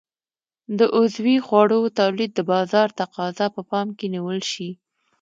د عضوي خوړو تولید د بازار تقاضا په پام کې نیول شي.